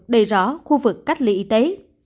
đây rõ khu vực cách ly y tế